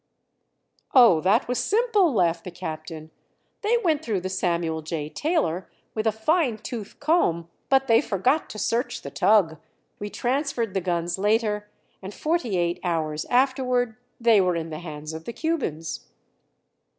"Oh, that was simple," laughed the captain. "They went through the Samuel J. Taylor with a fine tooth comb; but they forgot to search the tug. We transferred the guns later, and forty eight hours afterward they were in the hands of the Cubans."